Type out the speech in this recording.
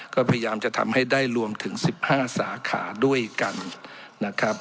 ก็พยายามจะทำให้ได้รวมถึง๑๕สาขาด้วยกันนะครับ